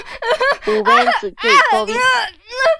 Ubentsëcquio iccobi